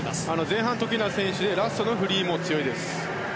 前半得意な選手でラストのフリーも得意です。